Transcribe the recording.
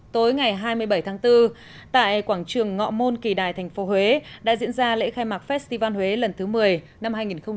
tối ngày hai mươi bảy tháng bốn tại quảng trường ngọ môn kỳ đài tp huế đã diễn ra lễ khai mạc festival huế lần thứ một mươi năm hai nghìn một mươi chín